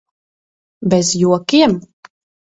Bez jokiem?